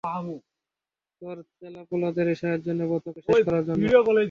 তোর চ্যালাপেলাদেরই সাহায্য নেবো তোকে শেষ করার জন্য!